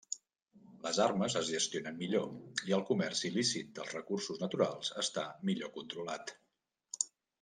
Les armes es gestionen millor, i el comerç il·lícit dels recursos naturals està millor controlat.